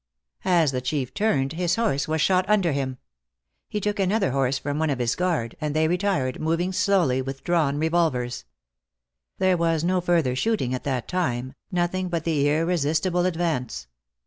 As the Chief turned his horse was shot under him. He took another horse from one of his guard, and they retired, moving slowly and with drawn revolvers. There was no further shooting at that time, nothing but the irresistible advance.